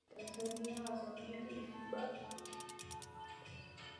Más tarde Miranda ayuda a Xavier a entrenar para el carnaval del surf.